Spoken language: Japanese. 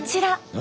何？